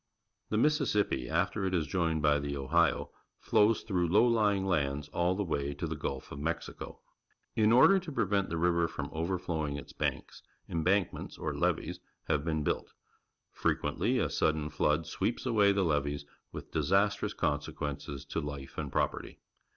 The Mississippi, after it is joined by the Ohio, flows through low lying lands all the waj^ to the Gulf of ]\Iexico. In order to prevent the river from overflowing its banks, embankments, or levees, have been built. Frequenth^ a sudden flood sweeps awaj^ the levees, with disastrous consequences to life and property.